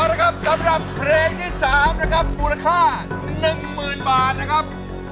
เอาละครับสำหรับเพลงที่๓นะครับมูลค่า๑๐๐๐บาทนะครับ